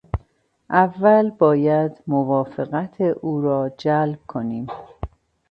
اول باید موافقت او را جلب کنیم.